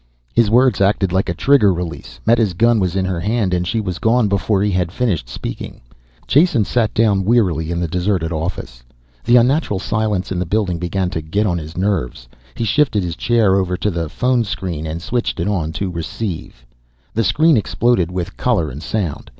His words acted like a trigger release. Meta's gun was in her hand and she was gone before he had finished speaking. Jason sat down wearily in the deserted office. The unnatural silence in the building began to get on his nerves. He shifted his chair over to the phone screen and switched it on to receive. The screen exploded with color and sound.